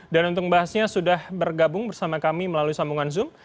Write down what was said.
dan untuk bahasnya sudah bergabung bersama kami melalui sambungan zoom